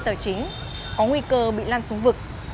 tờ chính có nguy cơ bị lan xuống vực